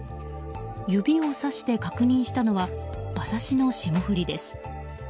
指をさして確認したのは馬刺しの霜降りです。